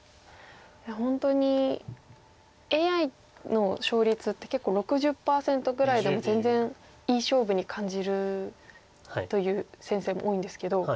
いや本当にＡＩの勝率って結構６０％ぐらいでも全然いい勝負に感じるという先生も多いんですけど。